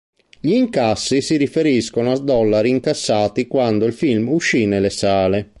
Gli incassi si i riferiscono a dollari incassati quando il film uscì nelle sale.